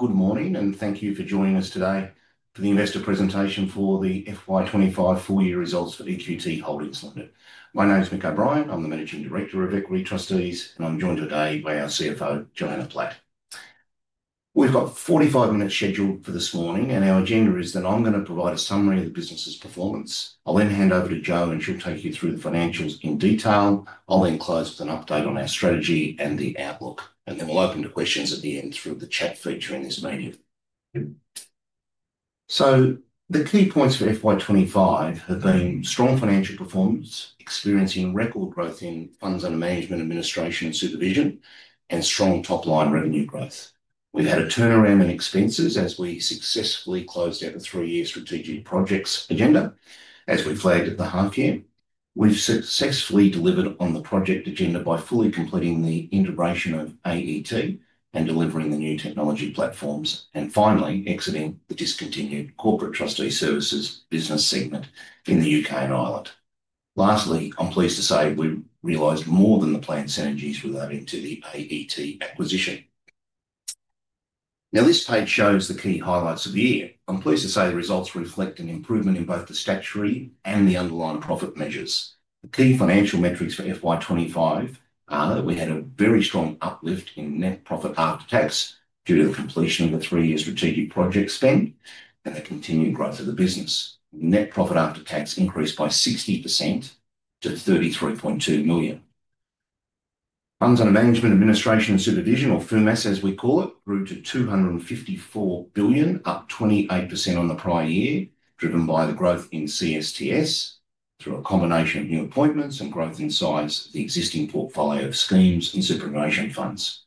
Good morning and thank you for joining us today for the investor presentation for the FY 2025 full-year results for EQT Holdings Ltd. My name is Mick O'Brien, I'm the Managing Director of Equity Trustees, and I'm joined today by our CFO, Johanna Platt. We've got 45 minutes scheduled for this morning, and our agenda is that I'm going to provide a summary of the business's performance. I'll then hand over to Jo, and she'll take you through the financials in detail. I'll then close with an update on our strategy and the outlook, and then we'll open to questions at the end through the chat feature in this meeting. The key points for FY 2025 have been strong financial performance, experiencing record growth in funds under management, administration, and supervision, and strong top-line revenue growth. We've had a turnaround in expenses as we successfully closed out a three-year strategic projects agenda as we flagged at the half-year. We've successfully delivered on the project agenda by fully completing the integration of AET and delivering the new technology platforms, and finally exiting the discontinued corporate trustee services business segment in the UK and Ireland. Lastly, I'm pleased to say we realized more than the planned synergies with our integration of the AET acquisition. Now, this page shows the key highlights of the year. I'm pleased to say the results reflect an improvement in both the statutory and the underlying profit measures. The key financial metrics for FY 2025 are that we had a very strong uplift in net profit after tax due to the completion of the three-year strategic project spend and the continued growth of the business. Net profit after tax increased by 60% to $33.2 million. Funds under management, administration, and supervision, or FUMAS as we call it, grew to $254 billion, up 28% on the prior year, driven by the growth in CSTS through a combination of new appointments and growth in size of the existing portfolio of schemes and superannuation funds.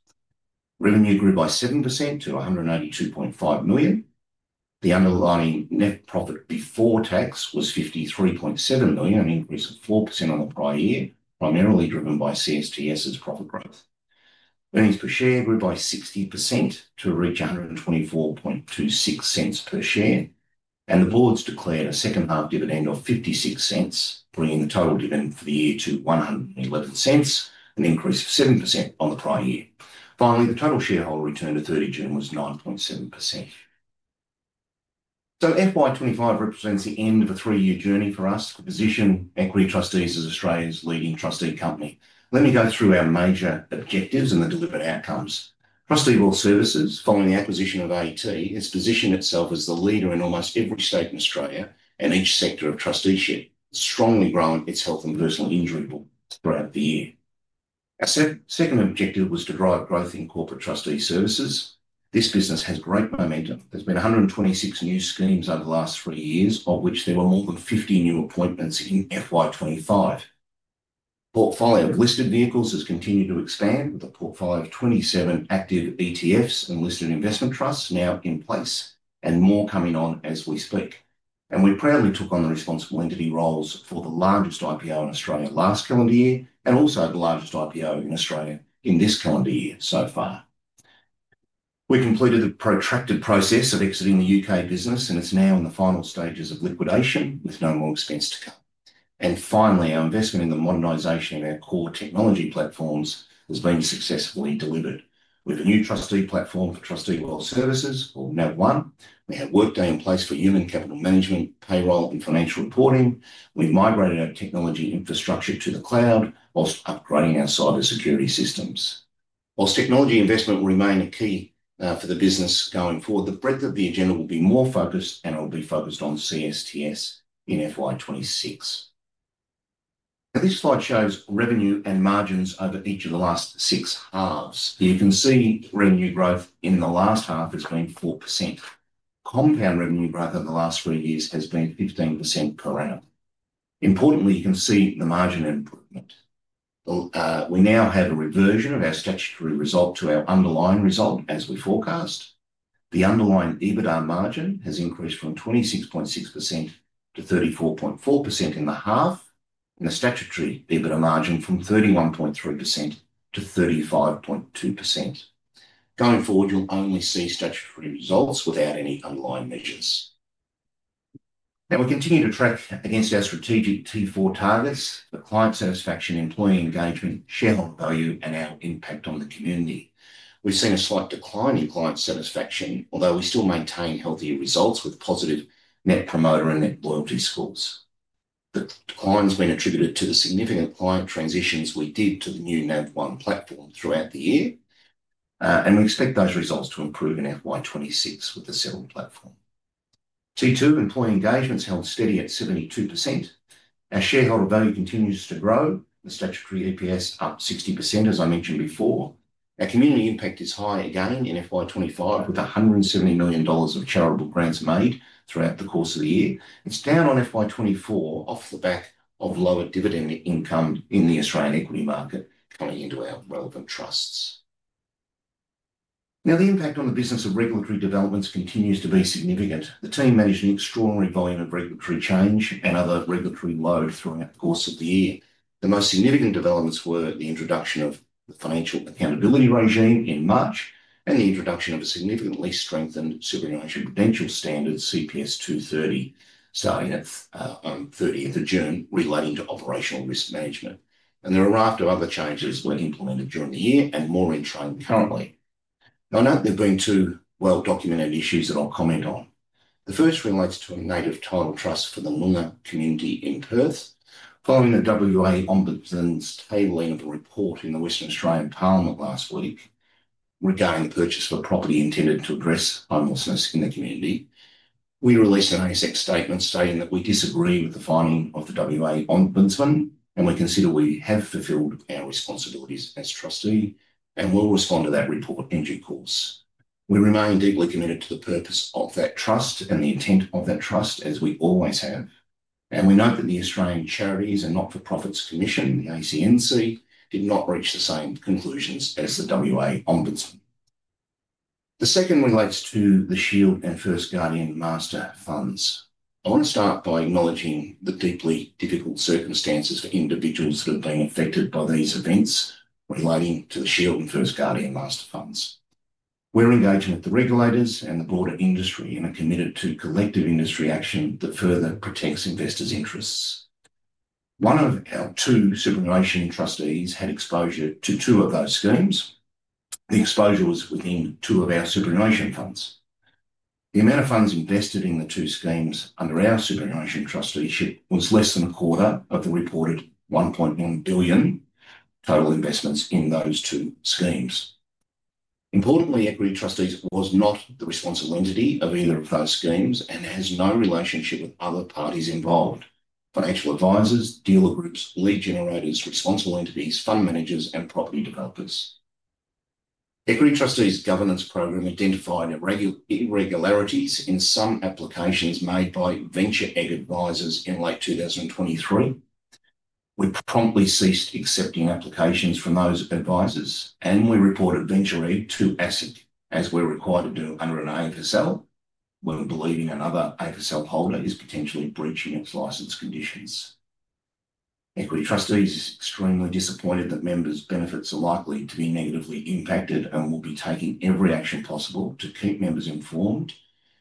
Revenue grew by 7% to $182.5 million. The underlying net profit before tax was $53.7 million, an increase of 4% on the prior year, primarily driven by CSTS as a profit growth. Earnings per share grew by 60% to reach $124.26 per share, and the board has declared a second half dividend of $0.56, bringing the total dividend for the year to $1.11, an increase of 7% on the prior year. Finally, the total shareholder return to 30th of June was 9.7%. FY 2025 represents the end of a three-year journey for us, a position with Equity Trustees as Australia's leading trustee company. Let me go through our major objectives and the delivered outcomes. Trustee and Wealth Services, following the acquisition of AET, has positioned itself as the leader in almost every state in Australia and each sector of trusteeship, strongly granting its health and personal injury role throughout the year. Our second objective was to drive growth in Corporate Trustee Services. This business has great momentum. There's been 126 new schemes over the last three years, of which there were more than 50 new appointments in FY 2025. The portfolio of listed vehicles has continued to expand with a portfolio of 27 active ETFs and listed investment trusts now in place, and more coming on as we speak. We proudly took on the responsible entity roles for the largest IPO in Australia last calendar year and also the largest IPO in Australia in this calendar year so far. We completed the protracted process of exiting the UK business, and it's now in the final stages of liquidation with no more expense to come. Finally, our investment in the modernization of our core technology platforms has been successfully delivered. With a new trustee platform for Trustee and Wealth Services, called NavOne, we have Workday in place for human capital management, payroll, and financial reporting. We've migrated our technology infrastructure to the cloud whilst upgrading our cybersecurity systems. Whilst technology investment will remain a key for the business going forward, the breadth of the agenda will be more focused, and it will be focused on CSTS in FY 2026. This slide shows revenue and margins over each of the last six halves. You can see revenue growth in the last half has been 4%. Compound revenue growth over the last three years has been 15% per annum. Importantly, you can see the margin improvement. We now had a reversion of our statutory result to our underlying result as we forecast. The underlying EBITDA margin has increased from 26.6% to 34.4% in the half, and the statutory EBITDA margin from 31.3% to 35.2%. Going forward, you'll only see statutory results without any underlying measures. We continue to track against our strategic T4 targets, client satisfaction, employee engagement, shareholder value, and our impact on the community. We've seen a slight decline in client satisfaction, although we still maintain healthier results with positive net promoter and net worker scores. Declines have been attributed to the significant client transitions we did to the new NavOne platform throughout the year, and we expect those results to improve in FY 2026 with the sale of the platform. T2 employee engagement's held steady at 72%. Our shareholder value continues to grow, the statutory EPS up 60% as I mentioned before. Our community impact is high again in FY 2025 with $170 million of charitable grants made throughout the course of the year. It's down on FY 2024 off the back of lower dividend income in the Australian equity market coming into our relevant trusts. Now, the impact on the business of regulatory developments continues to be significant. The team managed an extraordinary volume of regulatory change and other regulatory woes throughout the course of the year. The most significant developments were the introduction of the Financial Accountability Regime in March and the introduction of a significantly strengthened supervision and indenture standard CPS 230, starting at 30th of June relating to operational risk management. There are a raft of other changes that were implemented during the year and more in trend currently. I note there have been two well-documented issues that I'll comment on. The first relates to a native title trust for the Luna community in Perth, following the WA Ombudsman's failing of a report in the Western Australian Parliament last week regarding the purchase of a property intended to address homelessness in the community. We released an ASIC statement stating that we disagree with the finding of the WA Ombudsman, and we consider we have fulfilled our responsibilities as trustees and will respond to that report in due course. We remain deeply committed to the purpose of that trust and the intent of that trust as we always have. We note that the Australian Charities and Not-for-Profits Commission, ACNC, did not reach the same conclusions as the WA Ombudsman. The second relates to the Shield and First Guardian Master Funds. I want to start by acknowledging the deeply difficult circumstances for individuals that have been affected by these events relating to the Shield and First Guardian Master Funds. We're engaging with the regulators and the broader industry and are committed to collective industry action that further protects investors' interests. One of our two superannuation trustees had exposure to two of those schemes. The exposure was within two of our superannuation funds. The amount of funds invested in the two schemes under our superannuation trusteeship was less than a quarter of the reported $1.1 billion total investments in those two schemes. Importantly, Equity Trustees was not the responsible entity of either of those schemes and has no relationship with other parties involved: financial advisors, dealer groups, lead generators, responsible entities, fund managers, and property developers. Equity Trustees' governance program identified irregularities in some applications made by Venture Egg advisors in late 2023. We promptly ceased accepting applications from those advisors and we reported Venture Egg to ASIC as we were required to do under an AFSL, when we believe another AFSL holder is potentially breaching its license conditions. Equity Trustees is extremely disappointed that members' benefits are likely to be negatively impacted and will be taking every action possible to keep members informed,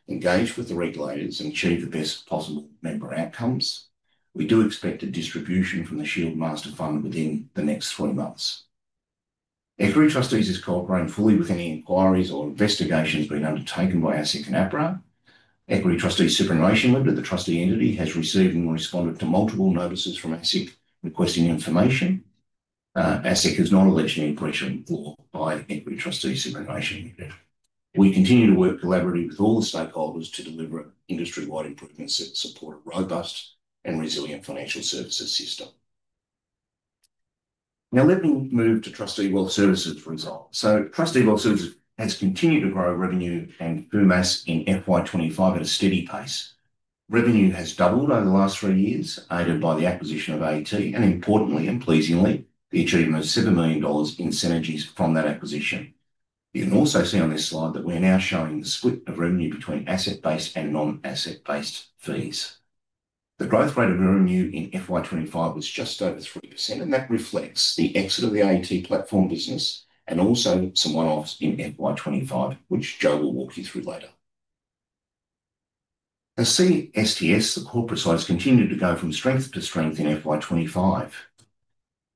engage with the regulators, and achieve the best possible member outcomes. We do expect a distribution from the Shield Master Fund within the next three months. Equity Trustees is cooperating fully with any inquiries or investigations being undertaken by ASIC and APRA. Equity Trustees Superannuation Limited, the trustee entity, has received and responded to multiple notices from ASIC requesting information. ASIC has not alleged any breach of law by Equity Trustees Superannuation Limited. We continue to work collaboratively with all the stakeholders to deliver an industry-wide improvement to support a robust and resilient financial services system. Now, let me move to Trustee and Wealth Services' results. Trustee and Wealth Services has continued to grow revenue and FUMAS in FY 2025 at a steady pace. Revenue has doubled over the last three years, aided by the acquisition of AET, and importantly and pleasingly, we achieved almost $7 million in synergies from that acquisition. You can also see on this slide that we're now showing the split of revenue between asset-based and non-asset-based fees. The growth rate of revenue in FY 2025 was just over 3%, and that reflects the exit of the AET platform business and also some one-offs in FY 2025, which Jo will walk you through later. As CSTS, the corporate side continued to go from strength to strength in FY 2025.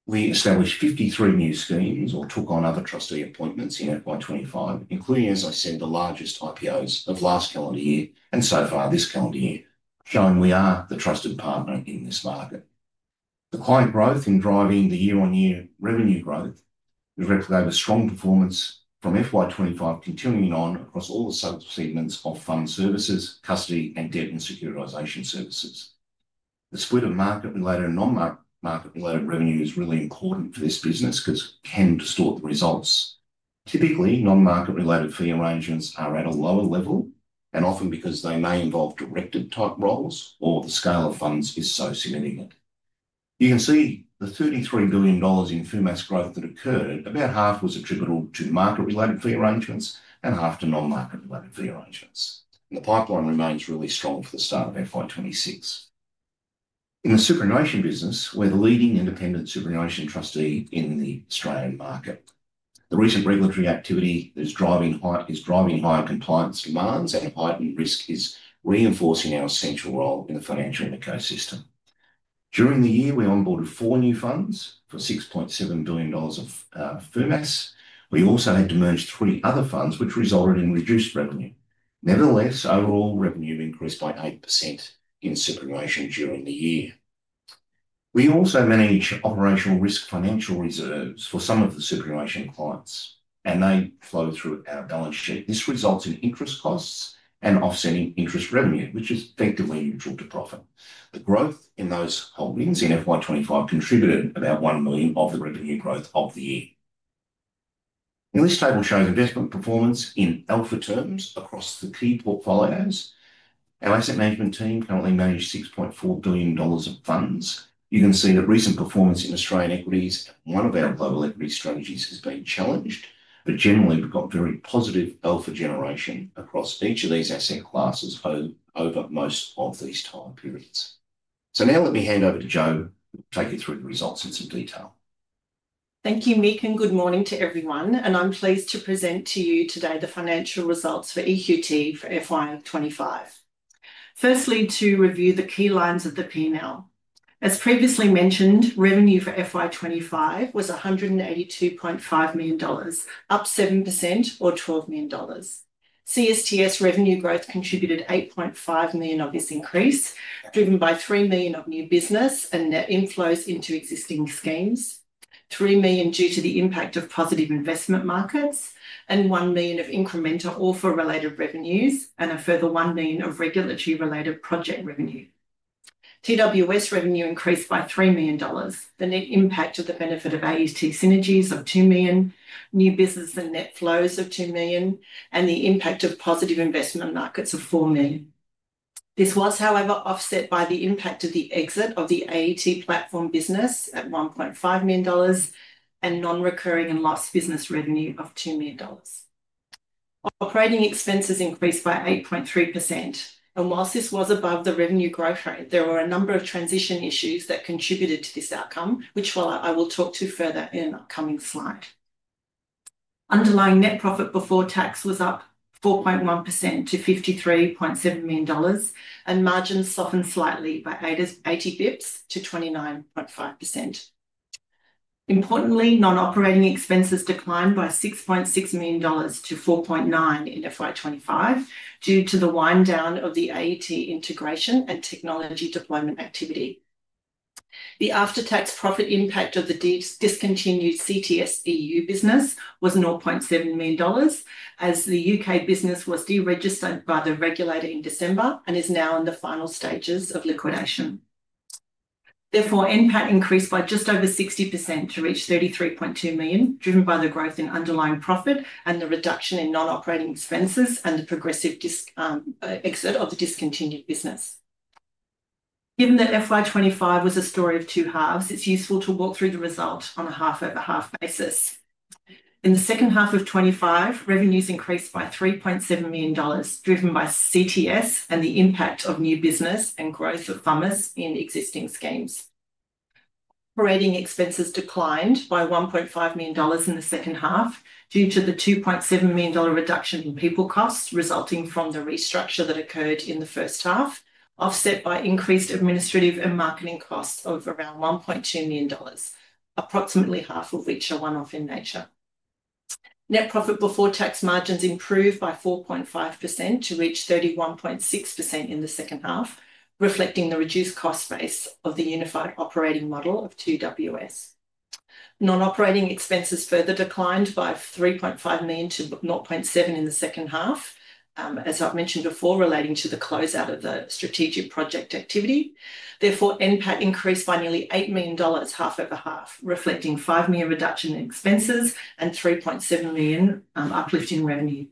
We established 53 new schemes or took on other trustee appointments in FY 2025, including, as I said, the largest IPOs of last calendar year and so far this calendar year, showing we are the trusted partner in this market. The client growth in driving the year-on-year revenue growth, we've recommended a strong performance from FY25 continuing on across all the subsegments of fund services, custody, and debt and securitization services. The split of market-related and non-market-related revenue is really important for this business because it can distort the results. Typically, non-market-related fee arrangements are at a lower level, and often because they may involve directed type roles or the scale of funding is so significant. You can see the $33 billion in FUMAS growth that occurred, about half was attributable to market-related fee arrangements and half to non-market-related fee arrangements. The pipeline remains really strong for the start of FY 2026. In the superannuation business, we're the leading independent superannuation trustee in the Australian market. The recent regulatory activity that is driving higher compliance demands and heightened risk is reinforcing our essential role in the financial ecosystem. During the year, we onboarded four new funds for $6.7 billion of FUMAS. We also had to merge three other funds, which resulted in reduced revenue. Nevertheless, overall revenue increased by 8% in superannuation during the year. We also manage operational risk financial reserves for some of the superannuation clients, and they flow through our balance sheet. This results in interest costs and offsetting interest revenue, which is effectively neutral to profit. The growth in those holdings in FY 25 contributed about $1 million of the revenue growth of the year. Now, this table shows investment performance in alpha terms across the key portfolios. Our asset management team currently manages $6.4 billion of funds. You can see that recent performance in Australian equities, one of our global equity strategies, has been challenged, but generally we've got very positive alpha generation across each of these asset classes over most of these time periods. Now let me hand over to Jo, to take you through the results in some detail. Thank you, Mick, and good morning to everyone, and I'm pleased to present to you today the financial results for EQT for FY 2025. Firstly, to review the key lines of the P&L. As previously mentioned, revenue for FY 2025 was $182.5 million, up 7% or $12 million. CSTS revenue growth contributed $8.5 million of this increase, driven by $3 million of new business and net inflows into existing schemes, $3 million due to the impact of positive investment markets, and $1 million of incremental AUFR-related revenues, and a further $1 million of regulatory-related project revenue. TWS revenue increased by $3 million, the net impact of the benefit of AET's synergies of $2 million, new business and net flows of $2 million, and the impact of positive investment markets of $4 million. This was, however, offset by the impact of the exit of the AET platform business at $1.5 million and non-recurring and lost business revenue of $2 million. Operating expenses increased by 8.3%, and whilst this was above the revenue growth rate, there were a number of transition issues that contributed to this outcome, which I will talk to further in an upcoming slide. Underlying net profit before tax was up 4.1% to $53.7 million, and margins softened slightly by 80 bps to 29.5%. Importantly, non-operating expenses declined by $6.6 million to $4.9 million in FY 2025 due to the wind-down of the AET integration and technology deployment activity. The after-tax profit impact of the discontinued CTS EU business was $0.7 million, as the UK business was deregistered by the regulator in December and is now in the final stages of liquidation. Therefore, NPAT increased by just over 60% to reach $33.2 million, driven by the growth in underlying profit and the reduction in non-operating expenses and the progressive exit of the discontinued business. Given that FY 2025 was a story of two halves, it's useful to walk through the result on a half-over-half basis. In the second half of 2025, revenues increased by $3.7 million, driven by CTS and the impact of new business and growth of FUMAS in existing schemes. Operating expenses declined by $1.5 million in the second half due to the $2.7 million reduction in people costs resulting from the restructure that occurred in the first half, offset by increased administrative and marketing costs of around $1.2 million, approximately half of which are one-off in nature. Net profit before tax margins improved by 4.5% to reach 31.6% in the second half, reflecting the reduced cost base of the unified operating model of TWS. Non-operating expenses further declined by $3.5 million to $0.7 million in the second half, as I've mentioned before, relating to the closeout of the strategic project activity. Therefore, NPAT increased by nearly $8 million, half over half, reflecting $5 million reduction in expenses and $3.7 million uplift in revenue.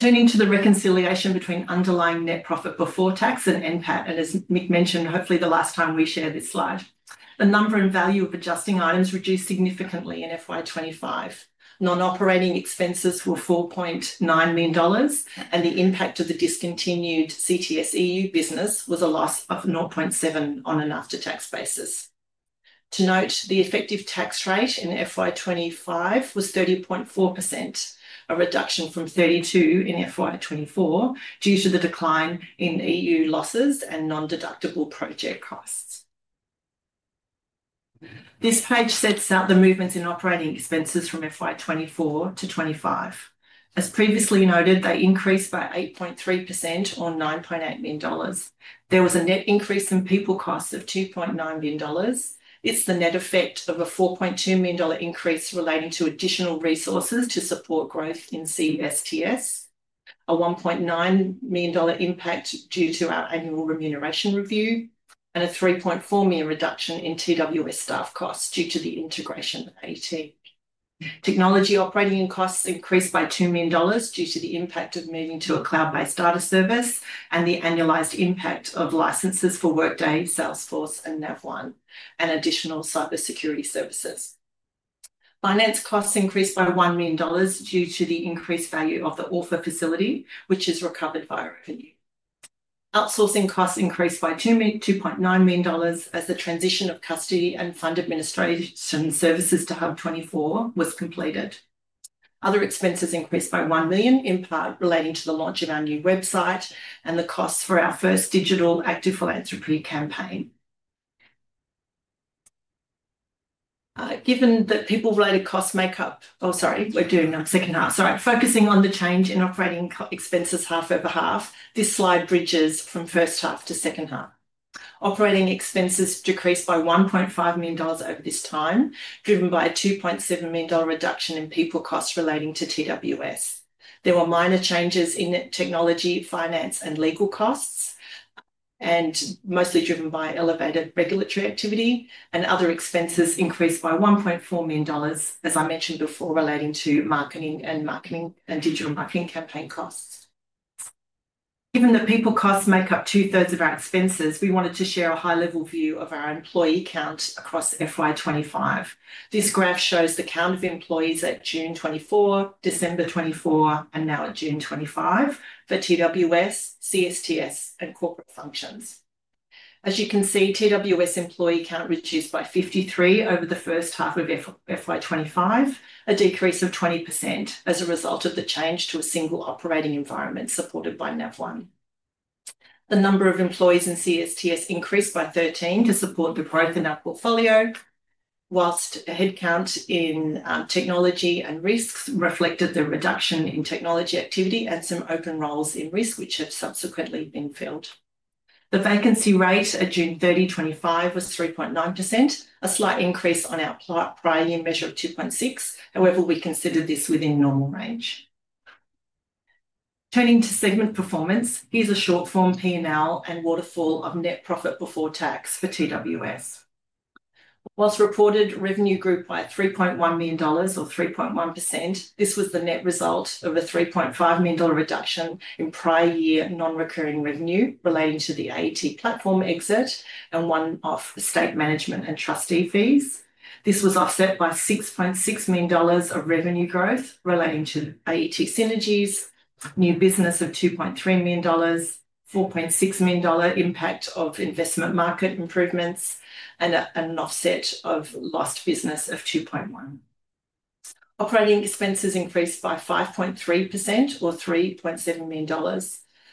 Turning to the reconciliation between underlying net profit before tax and NPAT, and as Mick mentioned, hopefully the last time we share this slide, the number and value of adjusting items reduced significantly in FY 2025. Non-operating expenses were $4.9 million, and the impact of the discontinued CTS EU business was a loss of $0.7 million on an after-tax basis. To note, the effective tax rate in FY 2025 was 30.4%, a reduction from 32% in FY 2024 due to the decline in EU losses and non-deductible project costs. This page sets out the movements in operating expenses from FY 2024-2025. As previously noted, they increased by 8.3% or $9.8 million. There was a net increase in people costs of $2.9 million. It's the net effect of a $4.2 million increase relating to additional resources to support growth in CSTS, a $1.9 million impact due to our annual remuneration review, and a $3.4 million reduction in TWS staff costs due to the integration of AET. Technology operating costs increased by $2 million due to the impact of moving to a cloud-based data service and the annualized impact of licenses for Workday, Salesforce, and NavOne, and additional cybersecurity services. Finance costs increased by $1 million due to the increased value of the AUFR facility, which is recovered via revenue. Outsourcing costs increased by $2.9 million as the transition of custody and fund administration services to HUB24 was completed. Other expenses increased by $1 million relating to the launch of our new website and the costs for our first digital active philanthropy campaign. Given that people-related costs make up, sorry, we're doing a second half, sorry, focusing on the change in operating expenses half over half, this slide bridges from first half to second half. Operating expenses decreased by $1.5 million over this time, driven by a $2.7 million reduction in people costs relating to TWS. There were minor changes in technology, finance, and legal costs, and mostly driven by elevated regulatory activity, and other expenses increased by $1.4 million, as I mentioned before, relating to marketing and marketing and digital marketing campaign costs. Given that people costs make up 2/3 of our expenses, we wanted to share a high-level view of our employee count across FY 2025. This graph shows the count of employees at June 2024, December 2024, and now at June 2025 for TWS, CSTS, and corporate functions. As you can see, TWS employee count reduced by 53 over the first half of FY 2025, a decrease of 20% as a result of the change to a single operating environment supported by NavOne. The number of employees in CSTS increased by 13 to support the growth in our portfolio, whilst the headcount in technology and risk reflected the reduction in technology activity and some open roles in risk, which have subsequently been filled. The vacancy rate at June 30, 2025 was 3.9%, a slight increase on our prior year measure of 2.6%. However, we considered this within normal range. Turning to segment performance, here's a short-form P&L and waterfall of net profit before tax for TWS. Whilst reported revenue grew by $3.1 million or 3.1%, this was the net result of a $3.5 million reduction in prior year non-recurring revenue relating to the Australian Executor Trustees platform exit and one-off estate management and trustee fees. This was offset by $6.6 million of revenue growth relating to AET synergies, new business of $2.3 million, $4.6 million impact of investment market improvements, and an offset of lost business of $2.1 million. Operating expenses increased by 5.3% or $3.7 million.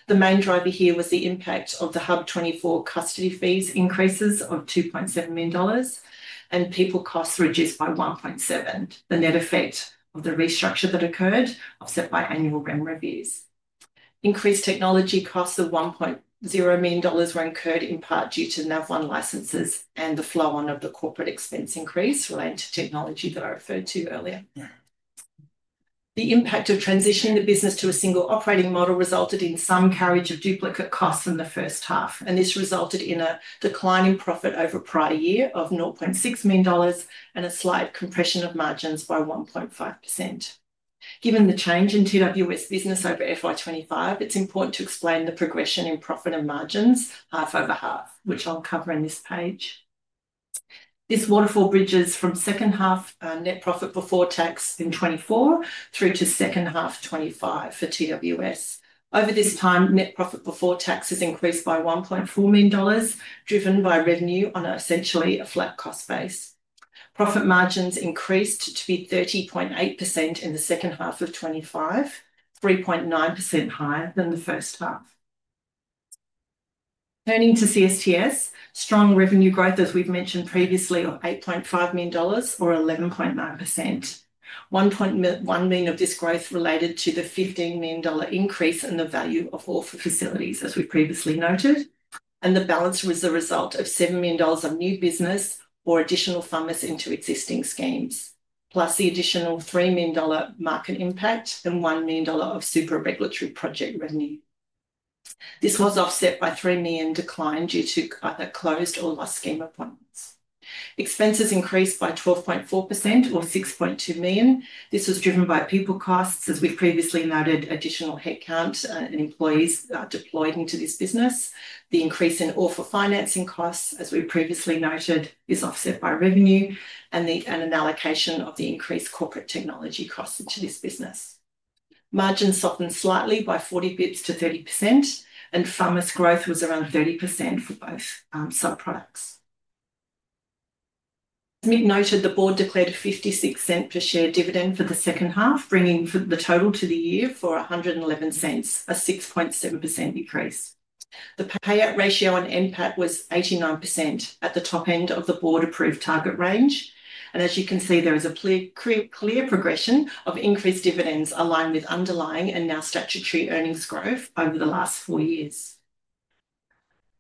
The main driver here was the impact of the HUB24 custody fees increases of $2.7 million and people costs reduced by 1.7%. The net effect of the restructure that occurred, offset by annual revenue reviews. Increased technology costs of $1.0 million were incurred in part due to NavOne licenses and the flow-on of the corporate expense increase relating to technology that I referred to earlier. The impact of transitioning the business to a single operating model resulted in some carriage of duplicate costs in the first half, and this resulted in a decline in profit over prior year of $0.6 million and a slight compression of margins by 1.5%. Given the change in TWS business over FY 2025, it's important to explain the progression in profit and margins half over half, which I'll cover in this page. This waterfall bridges from second half net profit before tax in 2024 through to second half 2025 for TWS. Over this time, net profit before tax has increased by $1.4 million, driven by revenue on essentially a flat cost base. Profit margins increased to be 30.8% in the second half of 2025, 3.9% higher than the first half. Turning to CSTS, strong revenue growth, as we've mentioned previously, of $8.5 million or 11.9%. $1.1 million of this growth related to the $15 million increase in the value of AUFR facilities, as we previously noted, and the balance was the result of $7 million of new business or additional FUMAS into existing schemes, plus the additional $3 million market impact and $1 million of super regulatory project revenue. This was offset by $3 million decline due to either closed or lost scheme appointments. Expenses increased by 12.4% or $6.2 million. This was driven by people costs, as we've previously noted, additional headcount and employees deployed into this business. The increase in AUFR financing costs, as we've previously noted, is offset by revenue and an allocation of the increased corporate technology costs to this business. Margins softened slightly by 40 bps to 30%, and FUMAS growth was around 30% for both subproducts. As Mick noted, the board declared a $0.56 per share dividend for the second half, bringing the total to the year for $1.11, a 6.7% decrease. The payout ratio on NPAT was 89% at the top end of the board-approved target range, and as you can see, there is a clear progression of increased dividends aligned with underlying and now statutory earnings growth over the last four years.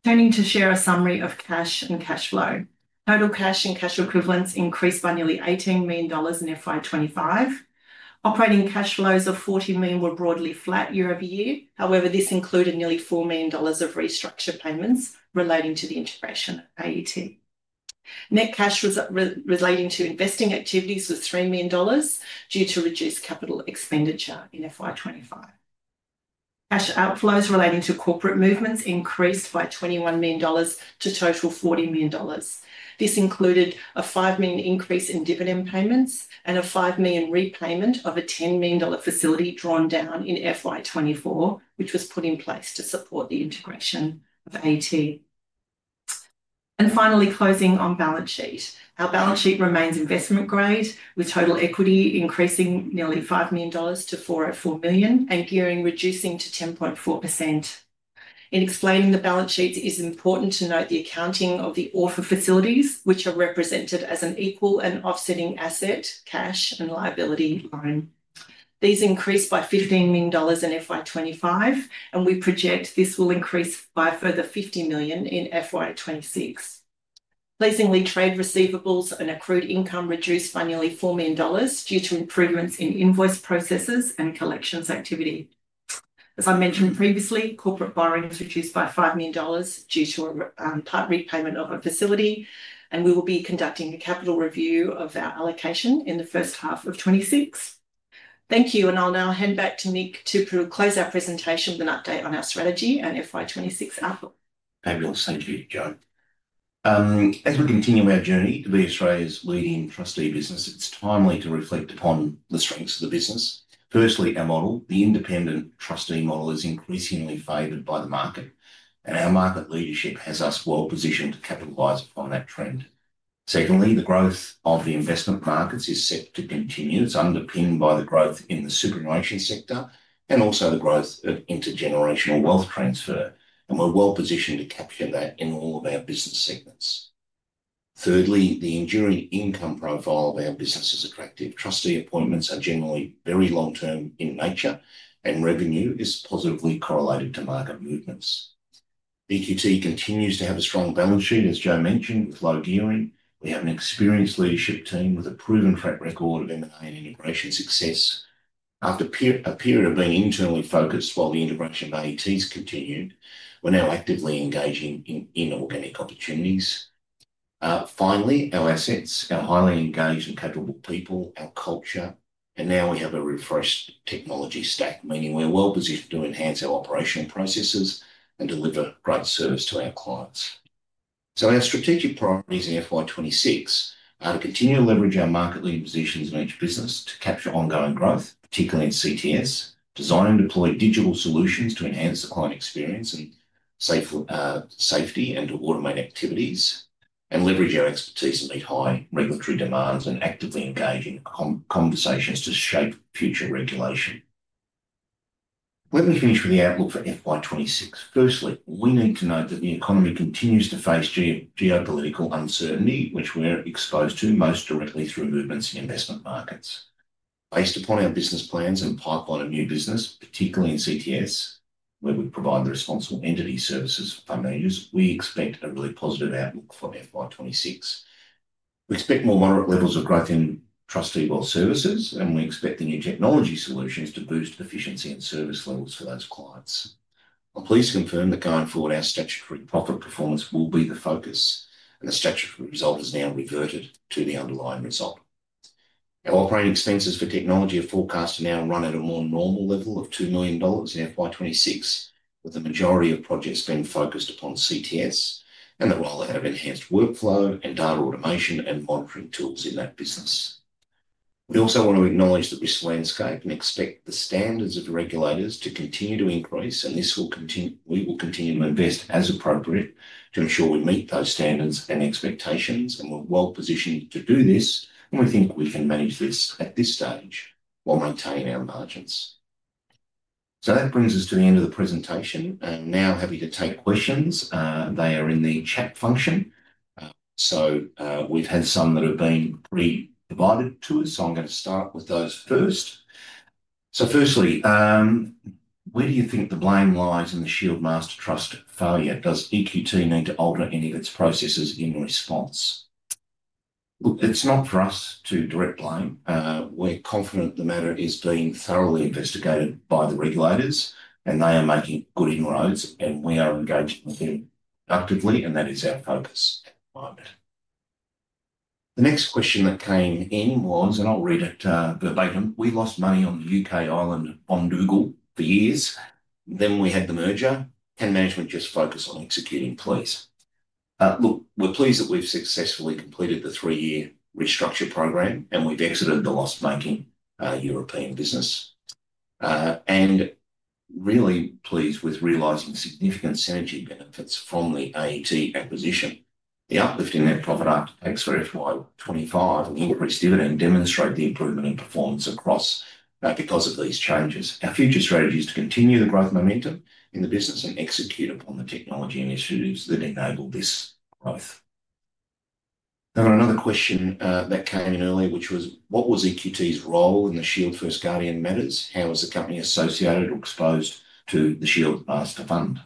Turning to share a summary of cash and cash flow. Total cash and cash equivalents increased by nearly $18 million in FY 2025. Operating cash flows of $40 million were broadly flat year over year. However, this included nearly $4 million of restructured payments relating to the integration of AET. Net cash relating to investing activities was $3 million due to reduced capital expenditure in FY 2025. Cash outflows relating to corporate movements increased by $21 million to total $40 million. This included a $5 million increase in dividend payments and a $5 million repayment of a $10 million facility drawn down in FY 2024, which was put in place to support the integration of AET. Finally, closing on balance sheet. Our balance sheet remains investment-grade with total equity increasing nearly $5 million to $404 million, a year-end reducing to 10.4%. In explaining the balance sheet, it is important to note the accounting of the AUFR facilities, which are represented as an equal and offsetting asset, cash and liability loan. These increased by $15 million in FY 2025, and we project this will increase by a further $50 million in FY 2026. Pleasingly, trade receivables and accrued income reduced by nearly $4 million due to improvements in invoice processes and collections activity. As I mentioned previously, corporate borrowing was reduced by $5 million due to a tight repayment of a facility, and we will be conducting a capital review of our allocation in the first half of 2026. Thank you, and I'll now hand back to Mick to close our presentation with an update on our strategy and FY 2026 outlook. Fabulous, thank you, Jo. As we're continuing our journey to be Australia's leading trustee business, it's timely to reflect upon the strengths of the business. Firstly, our model, the independent trustee model, is increasingly favored by the market, and our market leadership has us well positioned to capitalize upon that trend. Secondly, the growth of the investment markets is set to continue. It's underpinned by the growth in the superannuation sector and also the growth of intergenerational wealth transfer, and we're well positioned to capture that in all of our business segments. Thirdly, the enduring income profile of our business is attractive. Trustee appointments are generally very long-term in nature, and revenue is positively correlated to market movements. EQT continues to have a strong balance sheet, as Jo mentioned, with low gearing. We have an experienced leadership team with a proven track record of M&A and integration success. After a period of being internally focused while the introduction of AET's continued, we're now actively engaging in inorganic opportunities. Finally, our assets are highly engaged with capable people, our culture, and now we have a refreshed technology stack, meaning we're well positioned to enhance our operation processes and deliver greater service to our clients. Our strategic priorities in FY 2026 are to continue to leverage our market lead positions in each business to capture ongoing growth, particularly in CTS, design and deploy digital solutions to enhance the client experience and safety and to automate activities, and leverage our expertise to meet high regulatory demands and actively engage in conversations to shape future regulation. Let me finish with the outlook for FY 2026. Firstly, we need to note that the economy continues to face geopolitical uncertainty, which we're exposed to most directly through movements in investment markets. Based upon our business plans and pipeline of new business, particularly in CTS, where we provide the responsible entity services for fund managers, we expect a really positive outlook for FY 2026. We expect more moderate levels of growth in Trustee and Wealth Services, and we expect the new technology solutions to boost efficiency and service levels for those clients. I'm pleased to confirm that going forward, our statutory profit performance will be the focus, and the statutory result is now reverted to the underlying result. Our operating expenses for technology are forecast to now run at a more normal level of $2 million in FY 2026, with the majority of projects being focused upon CTS and the rollout of enhanced workflow and data automation and monitoring tools in that business. We also want to acknowledge that this landscape and expect the standards of the regulators to continue to increase, and this will continue. We will continue to invest as appropriate to ensure we meet those standards and expectations, and we're well positioned to do this, and we think we can manage this at this stage while maintaining our margins. That brings us to the end of the presentation, and now happy to take questions. They are in the chat function. We've had some that have been provided to us, so I'm going to start with those first. Firstly, where do you think the blame lies in the Shield Master Trust failure? Does EQT need to alter any of its processes in response? It's not for us to direct blame. We're confident the matter is being thoroughly investigated by the regulators, and they are making good inroads, and we are engaging with them actively, and that is our focus. The next question that came in was, and I'll read it verbatim, "We've lost money on the UK, Ireland, on Goodle for years. Then we had the merger. Can management just focus on executing, please?" Look, we're pleased that we've successfully completed the three-year restructure program, and we've exited the loss-making European business. Really pleased with realizing the significant synergy benefits following the AET acquisition. The uplift in net profit after FY 2025 and increased dividend demonstrate the improvement in performance across because of these changes. Our future strategy is to continue the growth momentum in the business and execute upon the technology initiatives that enable this growth. I have another question that came in earlier, which was, "What was EQT's role in the Shield First Guardian matters? How is the company associated or exposed to the Shield Master Fund?"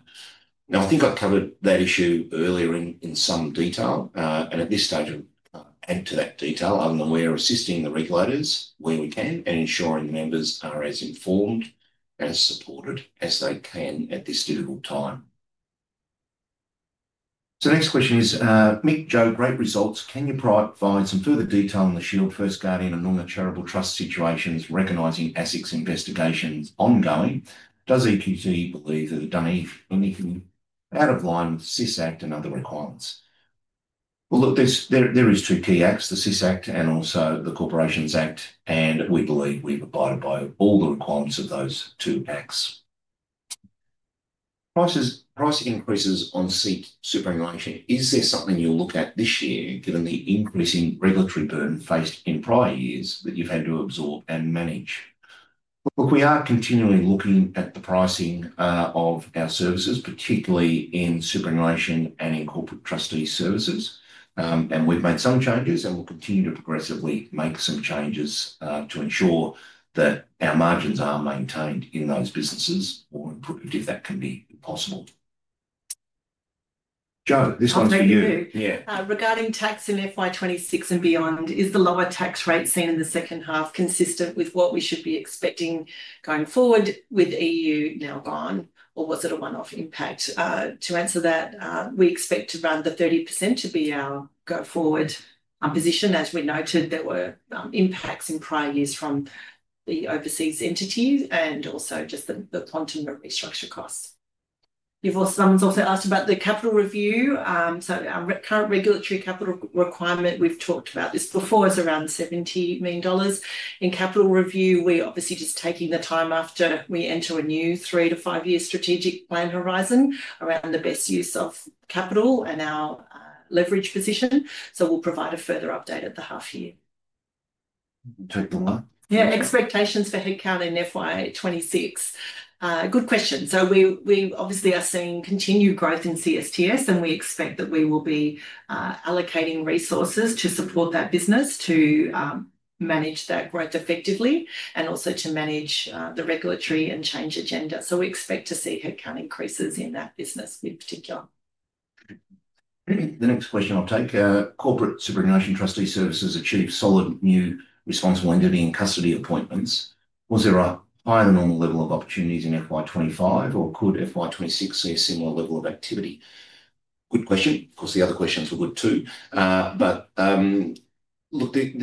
I think I've covered that issue earlier in some detail, and at this stage, I'll add to that detail. Other than we are assisting the regulators where we can and ensuring members are as informed and supported as they can at this digital time. The next question is, "Mick, Jo, great results. Can you provide some further detail on the Shield, First Guardian, and non-charitable trust situations, recognizing ASIC's investigations ongoing? Does EQT believe that they've done anything out of line, CIS Act, and other requirements? Look, there are two key acts, the CIS Act and also the Corporations Act, and we believe we've abided by all the requirements of those two acts. Price increases on superannuation. Is that something you'll look at this year, given the increasing regulatory burden faced in prior years that you've had to absorb and manage? Look, we are continually looking at the pricing of our services, particularly in superannuation and in Corporate Trustee Services, and we've made some changes and will continue to progressively make some changes to ensure that our margins are maintained in those businesses or improved if that can be possible. Joe, this one's for you. Yeah. Regarding tax in FY 2026 and beyond, is the lower tax rate seen in the second half consistent with what we should be expecting going forward with EU now gone, or was it a one-off impact? To answer that, we expect around the 30% to be our go-forward position. As we noted, there were impacts in prior years from the overseas entities and also just the quantum of restructure costs. You've also asked about the capital review. Our current regulatory capital requirement, we've talked about this before, is around $70 million in capital review. We're obviously just taking the time after we enter a new three to five-year strategic plan horizon around the best use of capital and our leverage position. We'll provide a further update at the half year. Take that one. Yeah, expectations for headcount in FY 2026. Good question. We obviously are seeing continued growth in CSTS, and we expect that we will be allocating resources to support that business to manage that growth effectively and also to manage the regulatory and change agenda. We expect to see headcount increases in that business in particular. The next question I'll take. Corporate and Superannuation Trustee Services achieved solid new responsible entity and custody appointments. Was there a higher than normal level of opportunities in FY 2025, or could FY 2026 see a similar level of activity? Good question. Of course, the other questions were good too. Look, the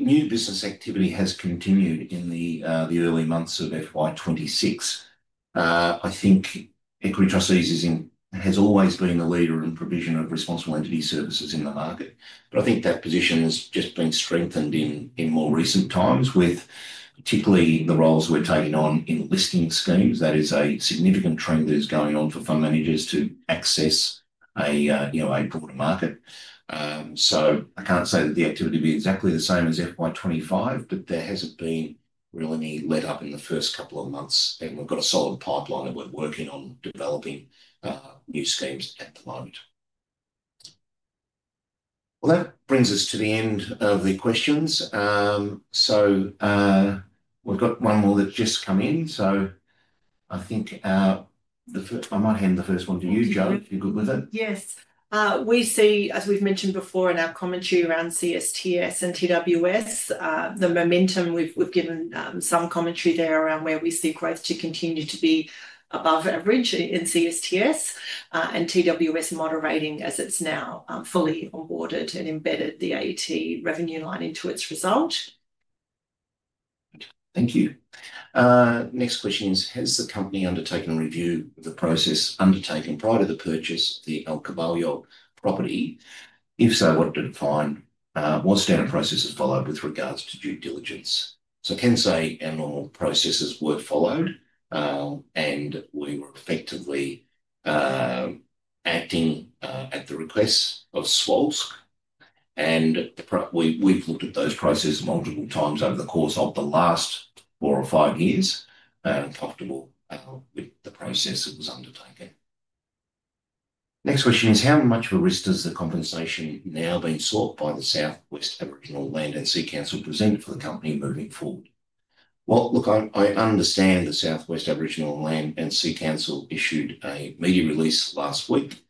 new business activity has continued in the early months of FY 2026. I think Equity Trustees has always been the leader in provision of responsible entity services in the market. I think that position has just been strengthened in more recent times, particularly with the roles we're taking on in listing schemes. That is a significant trend that is going on for fund managers to access a broader market. I can't say that the activity will be exactly the same as FY 2025, but there hasn't been really any let up in the first couple of months, and we've got a solid pipeline that we're working on developing new schemes at the moment. That brings us to the end of the questions. We've got one more that's just come in. I think I might hand the first one to you, Jo, if you're good with it. Yes. We see, as we've mentioned before in our commentary around CSTS and TWS, the momentum. We've given some commentary there around where we see growth to continue to be above average in CSTS and TWS moderating as it's now fully onboarded and embedded the AET revenue line into its result. Thank you. Next question is, has the company undertaken a review of the process undertaken prior to the purchase of the El Caballo property? If so, what did it find? Was there a process that followed with regards to due diligence? I can say our processes were followed, and we were effectively acting at the request of SWALS, and we've looked at those processes multiple times over the course of the last four or five years and are comfortable with the process that was undertaken. Next question is, how much of a risk does the compensation now being sought by the Southwest Aboriginal Land and Sea Council present for the company moving forward? I understand the Southwest Aboriginal Land and Sea Council issued a media release last week.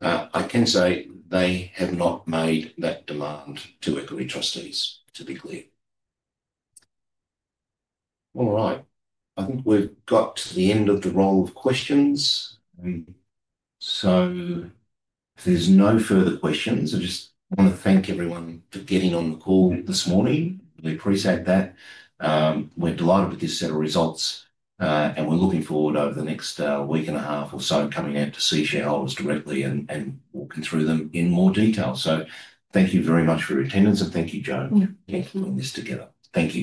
I can say they have not made that demand to Equity Trustees, to be clear. I think we've got to the end of the roll of questions. If there's no further questions, I just want to thank everyone for getting on the call this morning. We appreciate that. We're delighted with this set of results, and we're looking forward over the next week and a half or so coming out to see shareholders directly and walking through them in more detail. Thank you very much for your attendance, and thank you, Jo, for putting this together. Thank you.